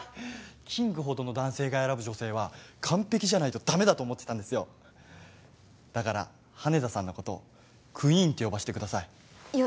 キングほどの男性が選ぶ女性は完璧じゃないとダメだと思ってたんですよだから羽田さんのことクイーンって呼ばしてくださいいや